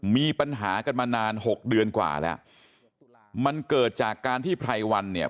มีปัญหากันมานานหกเดือนกว่าแล้วมันเกิดจากการที่ไพรวันเนี่ย